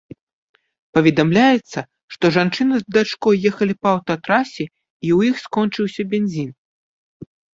Паведамляецца, што жанчына з дачкой ехалі па аўтатрасе, і ў іх скончыўся бензін.